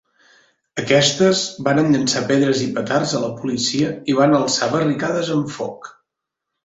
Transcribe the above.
Aquestes varen llençar pedres i petards a la policia i van alçar barricades amb foc.